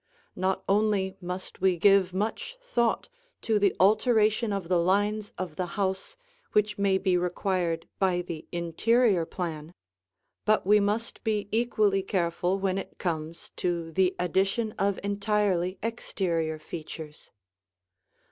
Not only must we give much thought to the alteration of the lines of the house which may be required by the interior plan, but we must be equally careful when it comes to the addition of entirely exterior features.